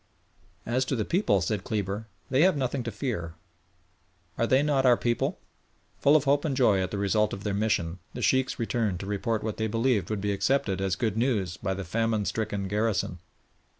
"As to the people," said Kleber, "they have nothing to fear; are they not our people?" Full of hope and joy at the result of their mission, the Sheikhs returned to report what they believed would be accepted as good news by the famine stricken garrison.